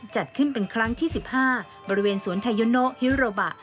จัดขึ้นเป็นครั้งที่๑๕บริเวณสวนไทโยโนฮิโรบะ